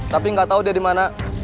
tapi gak tahu dia dimana